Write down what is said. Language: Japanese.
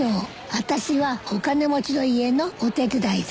あたしはお金持ちの家のお手伝いさん。